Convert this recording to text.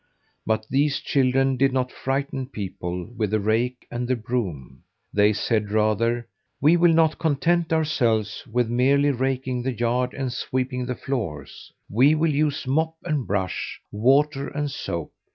But these children did not frighten people with the rake and the broom. They said rather: "We will not content ourselves with merely raking the yard and sweeping the floors, we will use mop and brush, water and soap.